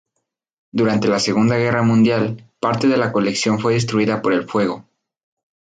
Durante la Segunda Guerra Mundial, parte de la colección fue destruida por el fuego.